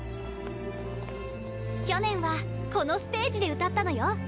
去年はこのステージで歌ったのよ。